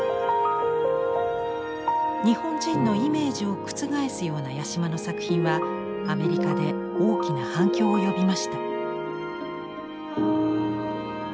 日本人のイメージを覆すような八島の作品はアメリカで大きな反響を呼びました。